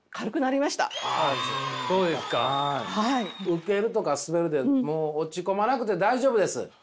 ウケるとかスベるでもう落ち込まなくて大丈夫です。